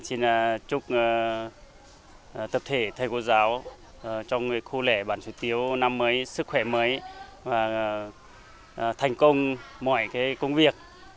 xin chúc tập thể thầy cô giáo trong khu lễ bản xuất tiếu năm mới sức khỏe mới và thành công mọi công việc